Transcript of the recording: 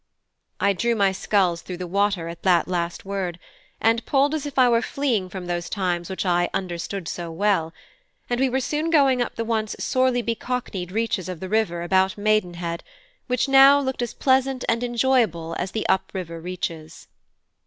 I drew my sculls through the water at that last word, and pulled as if I were fleeing from those times which I understood so well; and we were soon going up the once sorely be cockneyed reaches of the river about Maidenhead, which now looked as pleasant and enjoyable as the up river reaches.